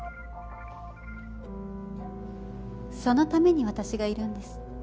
そのために私がいるんです。